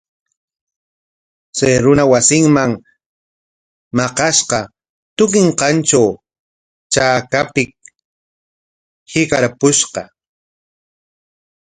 Chay runa wasinman matrashqa kutiykanqantraw chakapik hiqarpushqa.